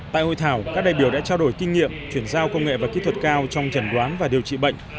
tại hội thảo các đại biểu đã trao đổi kinh nghiệm chuyển giao công nghệ và kỹ thuật cao trong trần đoán và điều trị bệnh